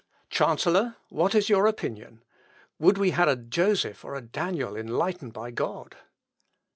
_ "Chancellor, what is your opinion? Would we had a Joseph or a Daniel enlightened by God!"